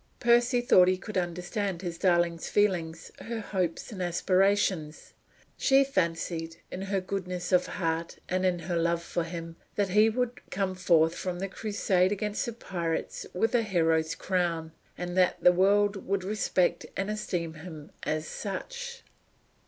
Percy thought he could understand his darling's feelings her hopes and aspirations. She fancied, in her goodness of heart, and in her love for him, that he would come forth from the crusade against the pirates with a hero's crown, and that the world would respect and esteem him as such.